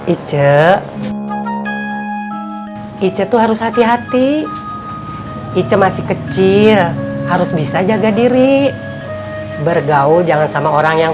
icet itu harus hati hati icet masih kecil harus bisa jaga diri bergaul jangan sama orang yang